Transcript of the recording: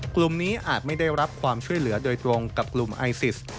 กลุ่มนี้อาจไม่ได้รับความช่วยเหลือโดยตรงกับกลุ่มไอซิส